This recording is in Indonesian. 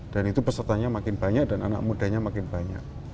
dan itu pesertanya makin banyak dan anak mudanya makin banyak